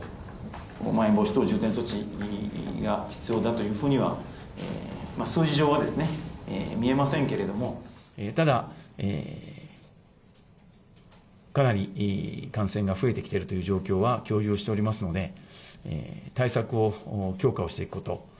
まん延防止等重点措置が必要だというふうには数字上は見えませんけれどもかなり感染が増えてきている状況は共有しているので対策を強化していく。